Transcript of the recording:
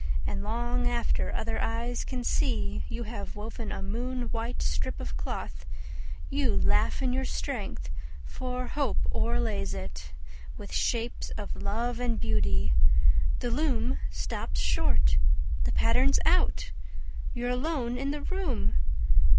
And long after other eyes can see You have woven a moon white strip of cloth, You laugh in your strength, for Hope overlays it With shapes of love and beauty. The loom stops short! The pattern's out You're alone in the room!